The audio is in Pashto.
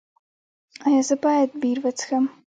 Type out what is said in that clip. ایا زه باید بیر وڅښم؟